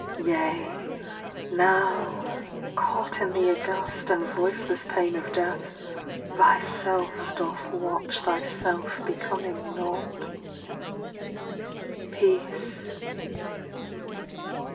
Yea, now, caught in The aghast and voiceless pain Of death, thyself doth watch Thyself becoming naught. Peace